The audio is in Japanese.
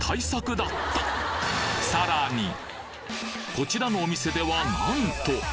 こちらのお店ではなんと！